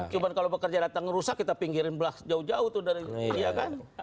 cuma kalau bekerja datang rusak kita pinggirin jauh jauh tuh dari dia kan